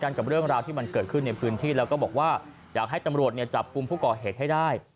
กับเรื่องราวที่มันเกิดขึ้นในพื้นที่แล้วก็บอกว่าอยากให้ตำรวจเนี่ยจับกลุ่มผู้ก่อเหตุให้ได้